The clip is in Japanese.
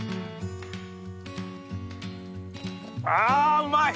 あうまい！